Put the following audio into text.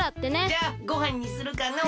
じゃあごはんにするかのう。